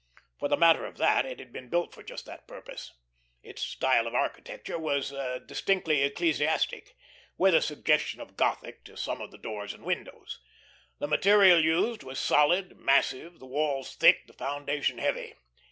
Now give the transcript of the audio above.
For the matter of that, it had been built for just that purpose. Its style of architecture was distantly ecclesiastic, with a suggestion of Gothic to some of the doors and windows. The material used was solid, massive, the walls thick, the foundation heavy.